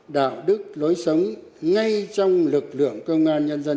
đạo đức lối sống ngay trong lực lượng công an nhân dân